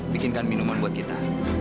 bikinkan minuman buat kita